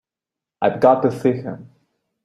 I've got to see him.